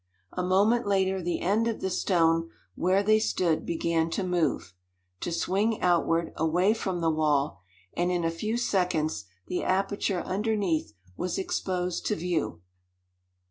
A moment later the end of the stone where they stood began to move to swing outward, away from the wall and in a few seconds the aperture underneath was exposed to view.